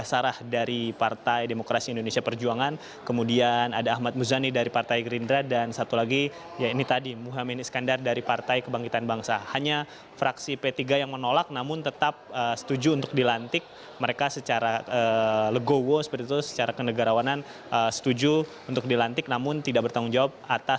titi soeharto menjawab